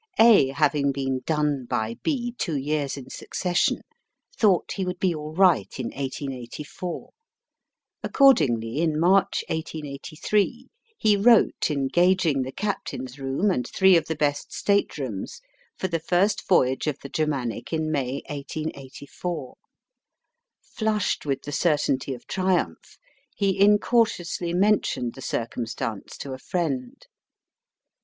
A having been done by B two years in succession, thought he would be all right in 1884. Accordingly, in March, 1883, he wrote engaging the captain's room and three of the best state rooms for the first voyage of the Germanic in May, 1884. Flushed with the certainty of triumph, he incautiously mentioned the circumstance to a friend.